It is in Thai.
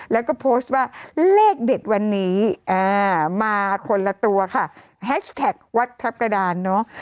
แล้วก็โพสต์ว่าเลขเด็ดวันนี้อ่ามาคนละตัวค่ะแฮชแท็กวัดทัพกระดานเนอะ